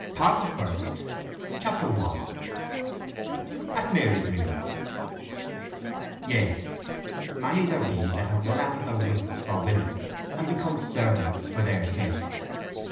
Part First AT MARYGREEN _"Yea, many there be that have run out of their wits for women, and become servants for their sakes.